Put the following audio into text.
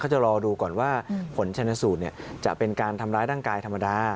จะรอดูก่อนว่าผลชนสูตรจะเป็นการทำร้ายร่างกายธรรมดา